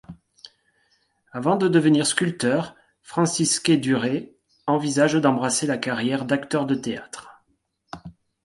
Avant de devenir sculpteur, Francisque Duret envisage d'embrasser la carrière d'acteur de théâtre.